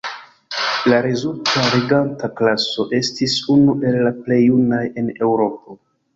La rezulta reganta klaso estis unu el la plej junaj en Eŭropo.